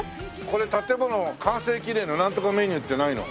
これ建物完成記念のなんとかメニューってないの？